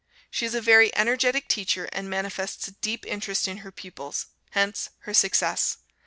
She is a very energetic teacher, and manifests a deep interest in her pupils hence, her success.